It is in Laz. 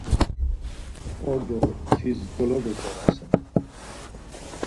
Ordzo tis dologoǩorasen!”